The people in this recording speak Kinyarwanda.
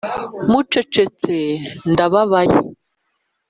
mucecetse ndababaye,